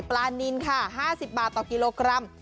ปลานินค่ะ๕๐บาทต่อกิโลกรัม